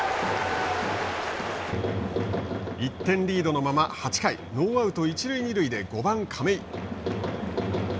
１点リードのまま８回ノーアウト、一塁二塁で５番亀井。